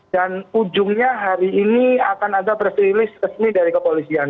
dan ujungnya hari ini akan ada presilis resmi dari kepolisian